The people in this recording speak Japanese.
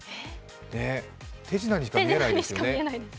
手品しか見えないですよね。